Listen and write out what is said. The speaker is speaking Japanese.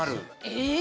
え？